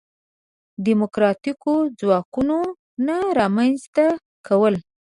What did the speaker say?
دیموکراتیکو ځواکونو نه رامنځته کول.